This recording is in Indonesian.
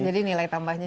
jadi nilai tambahnya juga